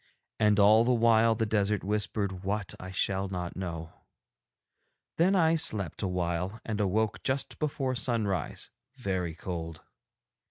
And all the while the desert whispered what I shall not know. Then I slept awhile and awoke just before sunrise, very cold.